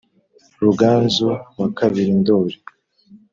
ruganzu wa kabiri ndoli